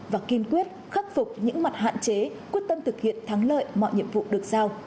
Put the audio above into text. và kiên quyết khắc phục những mặt hạn chế quyết tâm thực hiện thắng lợi mọi nhiệm vụ được giao